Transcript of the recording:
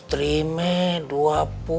tapi tanah yang dikemati